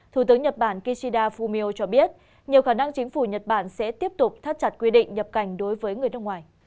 thủ tướng nhật bản kishida fumio cho biết nhiều khả năng chính phủ nhật bản sẽ tiếp tục thắt chặt quy định nhập cảnh đối với người nước ngoài